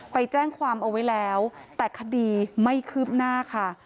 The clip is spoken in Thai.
ไปแจ้งความเอาไว้แล้วแต่คดีไม่คืบหน้าค่ะ